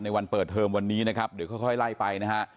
วันเปิดเทอมวันนี้นะครับเดี๋ยวค่อยไล่ไปนะฮะ